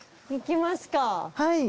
行きますか。